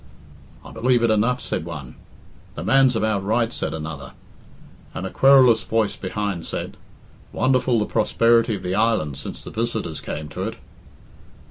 "I believe it enough," said one. "The man's about right," said another; and a querulous voice behind said, "Wonderful the prosperity of the island since the visitors came to it."